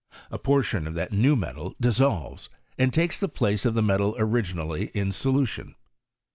A portion of that new metal dissolves, d takes the place of the metal originally in solu * n.